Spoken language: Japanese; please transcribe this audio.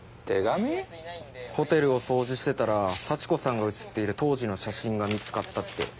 ホテルを掃除してたら幸子さんが写っている当時の写真が見つかったって。